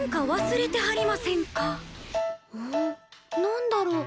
何だろう？